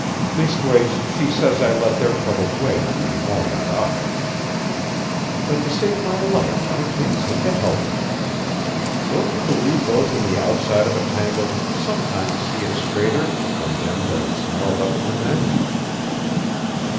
Leastways, she says I let their troubles weigh on me more'n I'd ought. But to save my life I can't seem to help it. Don't you believe those on the outside of a tangle sometimes see it straighter than them that is snarled up in the mess?"